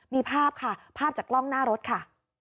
มีภาพค่ะภาพจากกล้องหน้ารถค่ะ